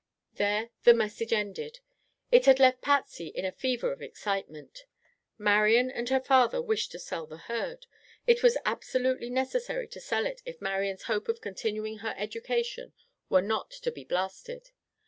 There the message ended. It had left Patsy in a fever of excitement. Marian and her father wished to sell the herd. It was absolutely necessary to sell it if Marian's hopes of continuing her education were not to be blasted.